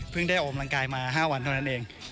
เพิ่งได้อ่อมกลางกายมา๕วันเท่านั้นเอง